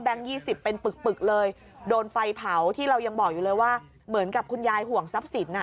แบงค์๒๐เป็นปึกปึกเลยโดนไฟเผาที่เรายังบอกเลยว่าเหมือนกับคุณยายผวงซับ